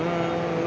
nó là rất là tiện